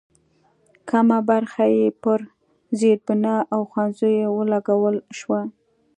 کمه برخه یې پر زېربنا او ښوونځیو ولګول شوه.